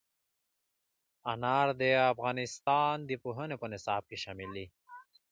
انار د افغانستان د پوهنې په نصاب کې شامل دي.